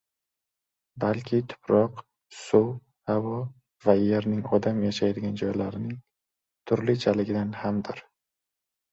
balki tuproq, suv, havo va Yerning odam yashaydigan joylarining turlichaligidan hamdir.